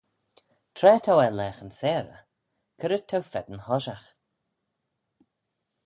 Tra t'ou er laghyn-seyrey, c'red t'ou feddyn hoshiaght?